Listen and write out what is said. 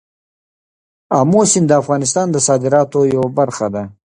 آمو سیند د افغانستان د صادراتو یوه برخه ده.